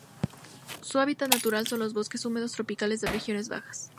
Su hábitat natural son los bosques húmedos tropicales de regiones bajas.